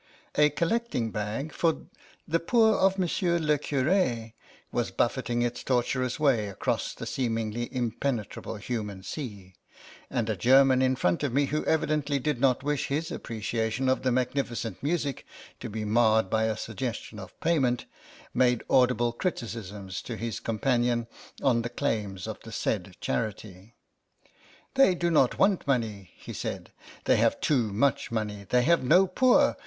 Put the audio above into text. A collecting bag, for " the poor of Monsieur le Cur^'^ was buffeting its tortuous way across the seemingly impenetrable human sea, and a German in front of me, who evidently did not wish his appreciation of the magnificent music to be marred by a suggestion of payment, made audible criticisms to his companion on the claims of the said charity. " They do not want money," he said ;" they have too much money. They have no poor.